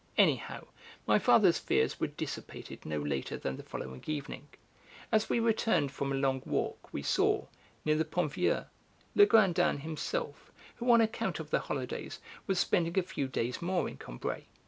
Anyhow, my father's fears were dissipated no later than the following evening. As we returned from a long walk we saw, near the Pont Vieux, Legrandin himself, who, on account of the holidays, was spending a few days more in Combray.